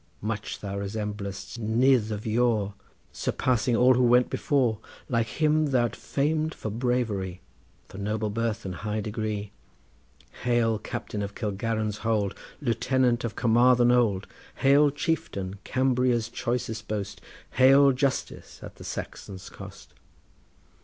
Much thou resemblest Nudd of yore, Surpassing all who went before; Like him thou'rt fam'd for bravery, For noble birth and high degree. Hail, captain of Kilgarran's hold! Lieutenant of Carmarthen old! Hail chieftain, Cambria's choicest boast! Hail Justice at the Saxon's cost!